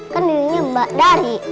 kan dirinya mbak dari